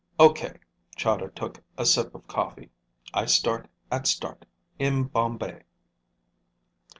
"Okay." Chahda took a sip of coffee. "I start at start. In Bombay."